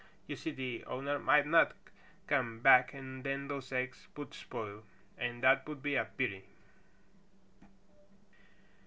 You see the owner might not come back and then those eggs would spoil, and that would be a pity."